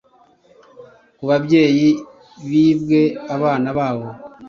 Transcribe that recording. ku babyeyi bibwe abana babo